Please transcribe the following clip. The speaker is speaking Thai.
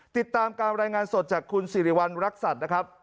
ติดตามการรายงานสดจากคุณสิริวัณรักษัตริย์นะครับ